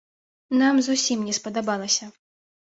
Нам зусім не спадабалася.